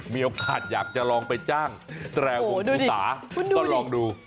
มีโอกาสอยากจะลองไปจ้างแตรวงภูสาก็ลองดู